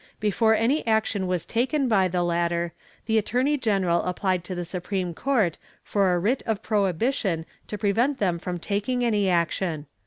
Before any action was taken by the latter, the attorney general applied to the supreme court for a writ of prohibition to prevent them from taking any action.